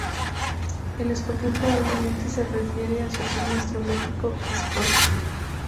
El escorpión probablemente se refiera a su signo astrológico, Escorpio.